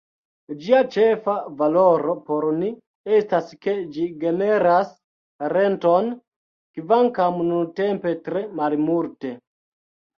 Ĝia ĉefa valoro por ni estas ke ĝi generas renton, kvankam nuntempe tre malmulte.